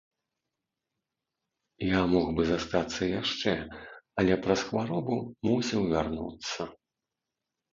Я мог бы застацца яшчэ, але праз хваробу мусіў вярнуцца.